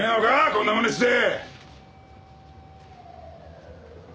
こんなまねして！